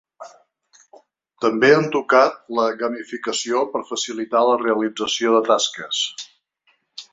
També han tocat la gamificació per facilitar la realització de tasques.